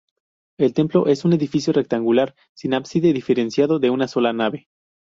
El templo es un edificio rectangular, sin ábside diferenciado, de una sola nave.